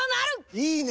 いいね！